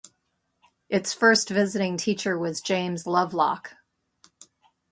Its first visiting teacher was James Lovelock.